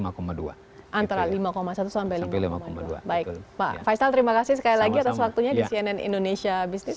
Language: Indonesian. baik pak faisal terima kasih sekali lagi atas waktunya di cnn indonesia business